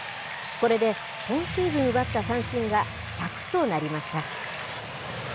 これで今シーズン奪った三振が１００となりました。